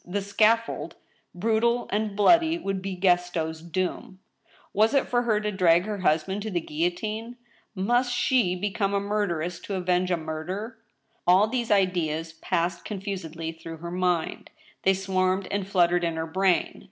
The scaffold, brutal and bloody, would be Gaston's doom! Was it for her to drag her husband to the guillotine ? Must she becomes murderess to avenge a murder? All these ideas passed confusedly through her mind. They swarmed and fluttered in her brain.